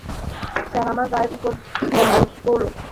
Sir, আমার গায়ের উপর ঢলে পড়ল।